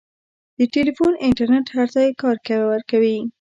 د ټیلیفون انټرنېټ هر ځای کار ورکوي.